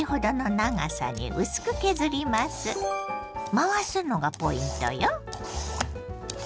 回すのがポイントよ。